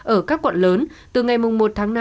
ở các quận lớn từ ngày một tháng năm